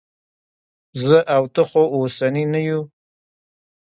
زه او ته خو اوسني نه یو.